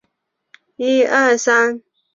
车站颜色是紫色。